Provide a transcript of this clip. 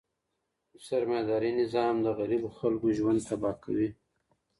سرمایه داري نظام د غریبو خلګو ژوند تباه کوي.